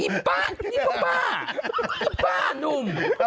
อีบ้านี่กูบาอีบ้านุ่ม